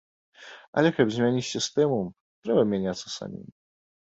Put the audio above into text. Але каб змяніць сістэму, трэба мяняцца самім.